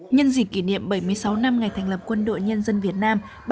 nhân dịp kỷ niệm bảy mươi sáu năm ngày thành lập quân đội nhân dân việt nam